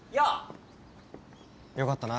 よかったな。